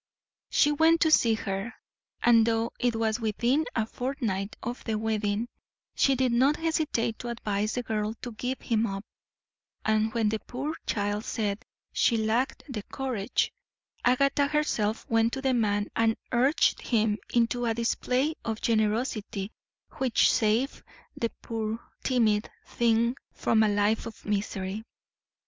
She went to see her, and, though it was within a fortnight of the wedding, she did not hesitate to advise the girl to give him up, and when the poor child said she lacked the courage, Agatha herself went to the man and urged him into a display of generosity which saved the poor, timid thing from a life of misery.